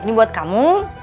ini buat kamu